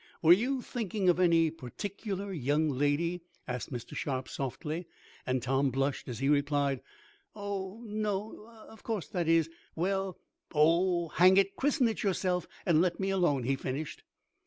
"Were you thinking of any particular young lady?" asked Mr. Sharp softly, and Tom blushed; as he replied: "Oh no of course that is well Oh, hang it, christen it yourself, and let me alone," he finished.